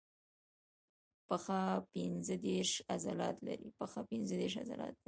پښه پنځه دیرش عضلات لري.